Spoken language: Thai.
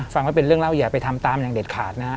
ฟังแล้วเป็นเรื่องเล่าอย่าไปทำตามอย่างเด็ดขาดนะฮะ